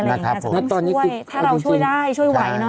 ต้องช่วยถ้าเราช่วยได้ช่วยไว้นะ